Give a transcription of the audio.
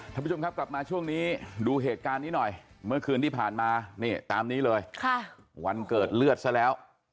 ท่านผู้ชมครับกลับมาช่วงนี้ดูเหตุการณ์นี้หน่อยเมื่อคืนที่ผ่านมานี่ตามนี้เลยวันเกิดเลือดซะแล้ว